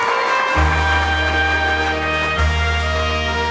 ครับ